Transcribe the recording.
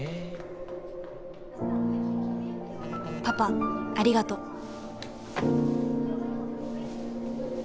「パパありがとう」。